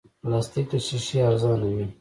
پلاستيک له شیشې ارزانه وي.